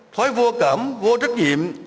thói vô cảm vô trách nhiệm